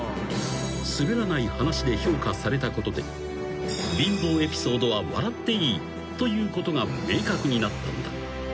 ［『すべらない話』で評価されたことで貧乏エピソードは笑っていいということが明確になったのだ。